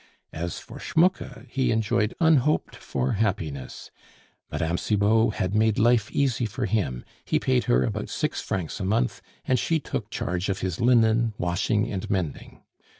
As for Schmucke, he enjoyed unhoped for happiness; Mme. Cibot had made life easy for him; he paid her about six francs a month, and she took charge of his linen, washing, and mending.